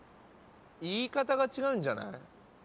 言い方が違うんじゃない？